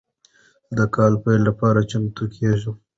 زه د کال پیل لپاره چمتو کیږم.